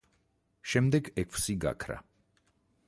შემდეგ ექვსი გაქრა.